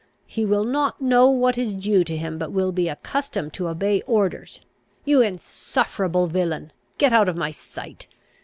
He will not know what is due to him, but will be accustomed to obey orders! You insufferable villain! Get out of my sight!